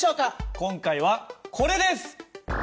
今回はこれです！